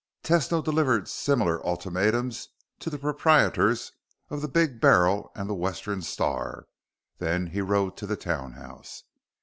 Tesno delivered similar ultimatums to the proprietors of the Big Barrel and the Western Star. Then he rode to the townhouse.